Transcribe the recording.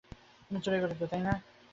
আজ ওর শরীর সুবিধার নয়।